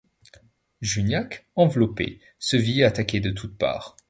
Juniac, enveloppé, se vit attaqué de toutes parts.